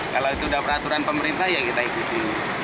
kalau itu sudah peraturan pemerintah ya kita ikuti